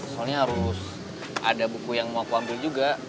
soalnya harus ada buku yang mau aku ambil juga